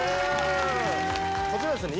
こちらですね